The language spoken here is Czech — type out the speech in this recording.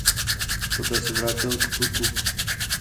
Poté se vrátil k pluku.